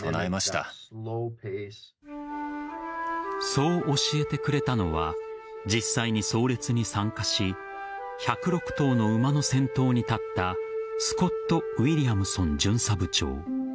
そう教えてくれたのは実際に葬列に参加し１０６頭の馬の先頭に立ったスコット・ウィリアムソン巡査部長。